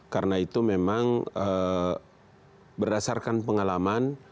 karena itu memang berdasarkan pengalaman